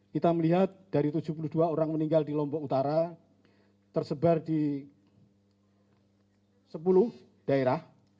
kita melihat dari tujuh puluh dua orang meninggal di lombok utara tersebar di sepuluh daerah